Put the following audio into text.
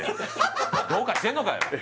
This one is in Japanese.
どうかしてんのかよ！